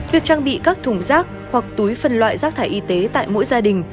việc trang bị các thùng rác hoặc túi phân loại rác thải y tế tại mỗi gia đình